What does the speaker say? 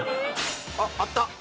あっあった！